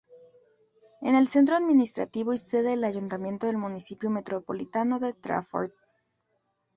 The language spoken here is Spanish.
Es el centro administrativo y sede del ayuntamiento del Municipio metropolitano de Trafford.